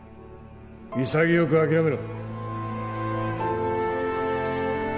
潔く諦めろ。